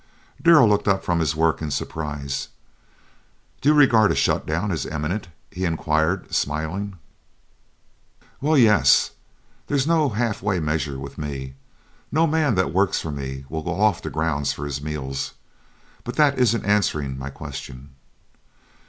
Darrell looked up from his work in surprise. "Do you regard a shut down as imminent?" he inquired, smiling. "Well, yes; there's no half way measures with me. No man that works for me will go off the grounds for his meals. But that isn't answering my question."